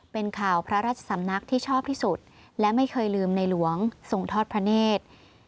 เป็นข่าวพระราชสำนักที่ชอบที่สุดและไม่เคยลืมในหลวงทรงทอดพระเนธ